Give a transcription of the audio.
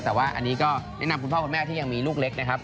แต่ว่าอันนี้ก็แนะนำคุณพ่อคุณแม่ที่ยังมีลูกเล็กนะครับ